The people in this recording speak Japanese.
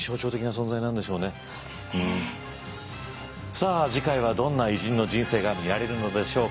さあ次回はどんな偉人の人生が見られるのでしょうか。